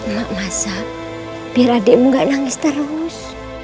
mak masak biar adikmu gak nangis terus